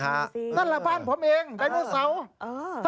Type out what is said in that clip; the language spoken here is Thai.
นั่นแหละบ้านผมเองไดโนเสาร์